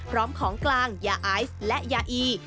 พร้อมของกลางยาไอซ์และยาอี